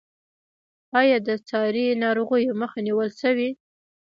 آیا د ساري ناروغیو مخه نیول شوې؟